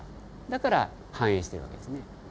だから繁栄してる訳ですね。